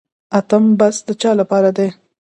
اتم بست د چا لپاره دی؟